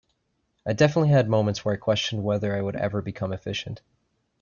I definitely had moments where I questioned whether I would ever become efficient.